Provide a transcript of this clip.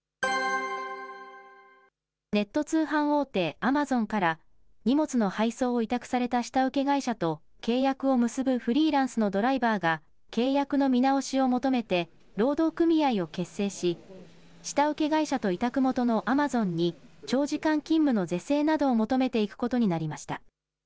ネット通販大手、アマゾンから、荷物の配送を委託された下請け会社と契約を結ぶフリーランスのドライバーが、契約の見直しを求めて労働組合を結成し、下請け会社と委託元のアマゾンに、長時間勤務の是正などを求めていくことになりました。